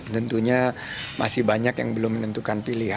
tentunya masih banyak yang belum menentukan pilihan